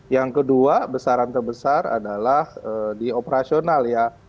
yang kedua besaran terbesar adalah di operasional ya